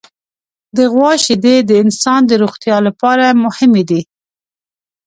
د غوا شیدې د انسان د روغتیا لپاره مهمې دي.